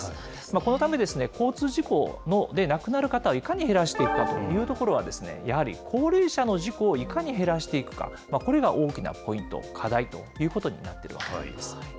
このためですね、交通事故で亡くなる方をいかに減らしていくかというところは、やはり高齢者の事故をいかに減らしていくか、これが大きなポイント、課題ということになってるわけなんです。